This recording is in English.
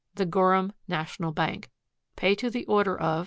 THE GORHAM NATIONAL BANK Pay to the order of...